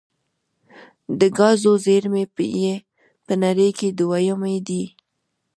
د ګازو زیرمې یې په نړۍ کې دویمې دي.